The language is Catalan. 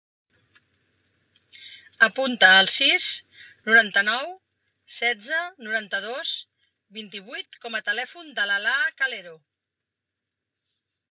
Apunta el sis, noranta-nou, setze, noranta-dos, vint-i-vuit com a telèfon de l'Alaa Calero.